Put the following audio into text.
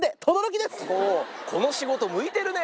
この仕事、向いてるね。